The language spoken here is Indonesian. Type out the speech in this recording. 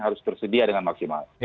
harus tersedia dengan maksimal